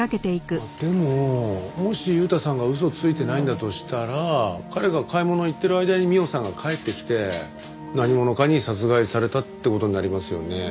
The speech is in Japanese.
まあでももし悠太さんが嘘をついてないんだとしたら彼が買い物に行ってる間に美緒さんが帰ってきて何者かに殺害されたって事になりますよね。